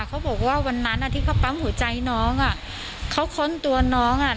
เขาบอกว่าวันนั้นอ่ะที่เขาปั๊มหัวใจน้องอ่ะเขาค้นตัวน้องอ่ะ